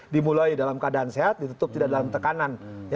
dimulai dalam keadaan sehat ditutup tidak dalam tekanan